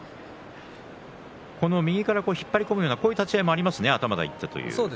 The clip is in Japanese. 右から引っ張り込むようなこういう立ち合いもありますね。